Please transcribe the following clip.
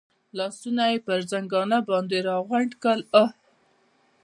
لاسونه یې پر زنګانه باندې را غونډ کړل، اوه.